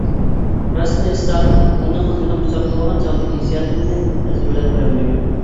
راستىنى ئېيتسام ئۇنىڭ مېنى قۇچاقلىۋالغان چاغدىكى ھېسسىياتىمنى تەسۋىرلەپ بېرىلمەيمەن.